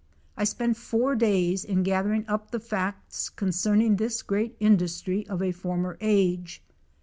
I spent four days in gath ering up the facts concerning this great industry of a former age.